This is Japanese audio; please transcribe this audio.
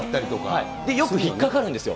で、よく引っ掛かるんですよ。